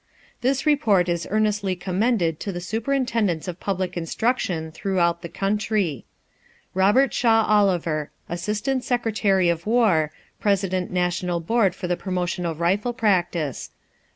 This report is earnestly commended to the superintendents of public instruction throughout the country. ROBERT SHAW OLIVER, Assistant Secretary of War, President National Board for the Promotion of Rifle Practice.